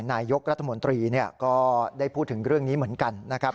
นายกรัฐมนตรีก็ได้พูดถึงเรื่องนี้เหมือนกันนะครับ